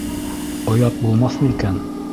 — Оят булмаҫмы икән?